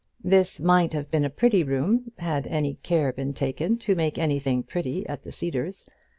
This might have been a pretty room had any care been taken to make anything pretty at the Cedars.